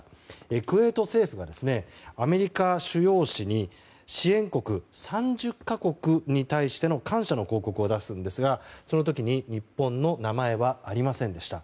クウェート政府がアメリカ主要紙に支援国３０か国に対しての感謝の広告を出すんですがその時に日本の名前はありませんでした。